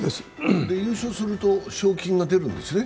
優勝すると賞金が出るんですね？